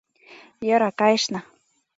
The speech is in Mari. Йӧра, кайышна.